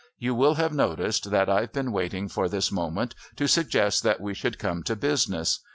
You will have noticed that I've been waiting for this moment to suggest that we should come to business.